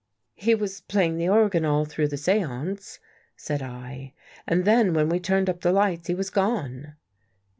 " He was playing the organ all through the seance," said I, " and then when we turned up the lights, he was gone."